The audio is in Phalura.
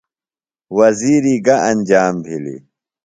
وزیری گہ انجام بِھلیۡ؟